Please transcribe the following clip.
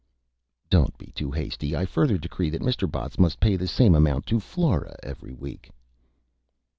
"Don't be too hasty. I further Decree that Mr. Botts must pay the same Amount to Flora every Week."